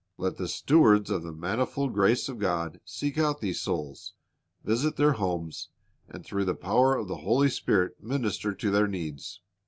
Let the stewards of the manifold grace of God seek out these souls, visit their homes, and through the power of the Holy Spirit minister to their needs.